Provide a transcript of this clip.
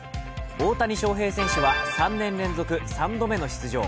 大谷翔平選手は３年連続３度目の出場。